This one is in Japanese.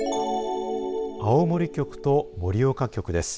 青森局と盛岡局です。